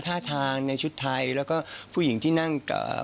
ท่าทางในชุดไทยแล้วก็ผู้หญิงที่นั่งเอ่อ